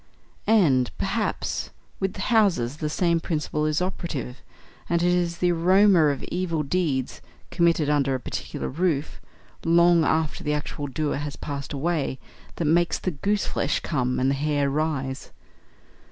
And, perhaps, with houses the same principle is operative, and it is the aroma of evil deeds committed under a particular roof, long after the actual doers have passed away, that makes the gooseflesh come and the hair rise.